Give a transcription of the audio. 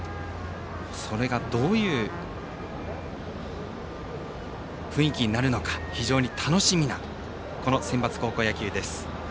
それがどういう雰囲気になるのか非常に楽しみなこのセンバツ高校野球です。